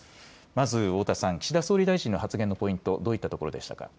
まず太田さん、岸田総理大臣の発言のポイント、どういったところでしたか。